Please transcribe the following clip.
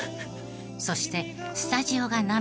そしてスタジオが涙］